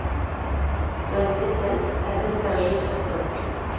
Sloane Stephens adopte un jeu très simple.